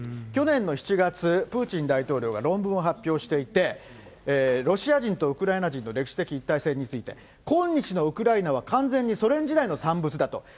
去年の７月、プーチン大統領が論文を発表していて、ロシア人とウクライナ人の歴史的一体性について、今日のウクライナは完全にソ連時代の産物だと。